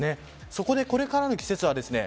そこでこれからの季節はですね。